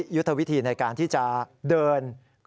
พระบุว่าจะมารับคนให้เดินทางเข้าไปในวัดพระธรรมกาลนะคะ